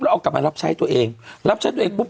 เอากลับมารับใช้ตัวเองรับใช้ตัวเองปุ๊